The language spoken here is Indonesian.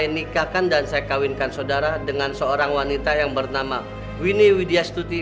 nikah dan kawinnya winnie widias tuti